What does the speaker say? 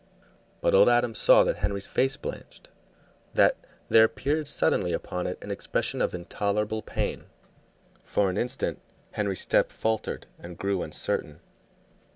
But old Adam saw that Henry's face blanched, that there appeared suddenly upon it an expression of intolerable pain. For an instant Henry's step faltered and grew uncertain.